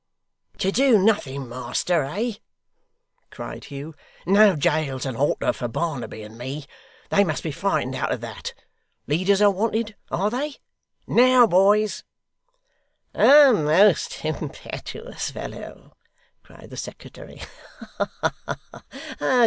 'To do nothing, master, eh?' cried Hugh. 'No jails and halter for Barnaby and me. They must be frightened out of that. Leaders are wanted, are they? Now boys!' 'A most impetuous fellow!' cried the secretary. 'Ha ha!